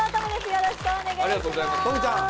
よろしくお願いします。